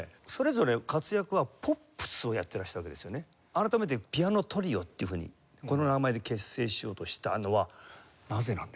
改めてピアノトリオっていうふうにこの名前で結成しようとしたのはなぜなんですか？